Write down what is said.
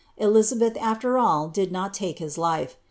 Elizabeth, after all. dill not lake hie life.